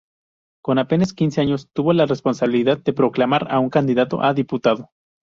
Con apenas quince años tuvo la responsabilidad de proclamar a un candidato a diputado.